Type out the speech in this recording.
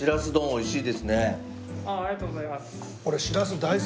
おいしい。